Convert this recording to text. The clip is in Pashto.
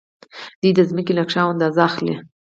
دوی د ځمکې نقشه او اندازه اخلي.